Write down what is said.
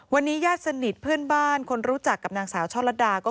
วันนี้ญาติสนิทเพื่อนบ้านคนรู้จักกับนางสาวช่อลัดดาก็